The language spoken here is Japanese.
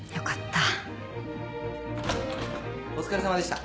お疲れさまでした。